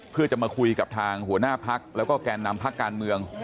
เพื่อจะมาคุยกับทางหัวหน้าพักแล้วก็แกนนำพักการเมือง